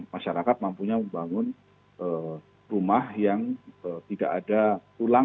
masyarakat mampunya membangun rumah yang tidak ada tulang